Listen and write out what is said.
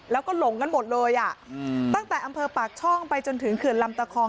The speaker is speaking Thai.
แล้วก็หลงกันหมดเลยอ่ะตั้งแต่อำเภอปากช่องไปจนถึงเขื่อนลำตะคอง